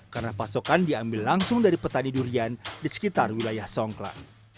karena pasokan diambil langsung dari petani durian di sekitar wilayah songkla